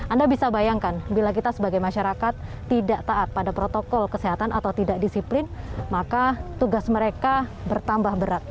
anda bisa bayangkan bila kita sebagai masyarakat tidak taat pada protokol kesehatan atau tidak disiplin maka tugas mereka bertambah berat